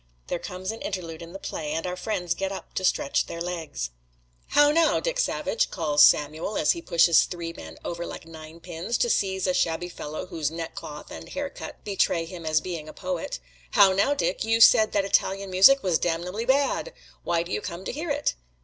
There comes an interlude in the play, and our friends get up to stretch their legs. "How now, Dick Savage?" calls Samuel, as he pushes three men over like ninepins, to seize a shabby fellow whose neckcloth and hair cut betray him as being a poet. "How now, Dick, you said that Italian music was damnably bad! Why do you come to hear it?"